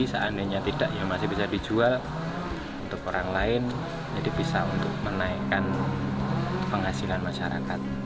seandainya tidak ya masih bisa dijual untuk orang lain jadi bisa untuk menaikkan penghasilan masyarakat